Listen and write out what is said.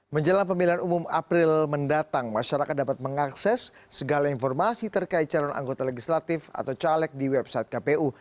menjelang pemilihan umum april mendatang masyarakat dapat mengakses segala informasi terkait calon anggota legislatif atau caleg di website kpu